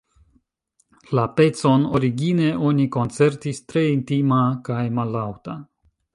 La pecon origine oni koncertis tre intima kaj mallaŭta.